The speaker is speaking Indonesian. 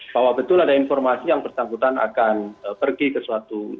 bahwa betul ada informasi yang bersangkutan akan pergi ke suatu